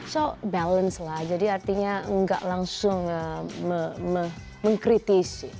so balance lah jadi artinya nggak langsung mengkritisi